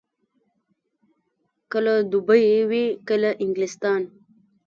کله دوبۍ وي، کله انګلستان.